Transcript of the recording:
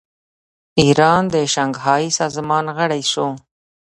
ایران د شانګهای سازمان غړی شو.